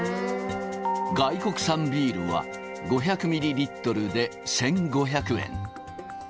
外国産ビールは５００ミリリットルで１５００円。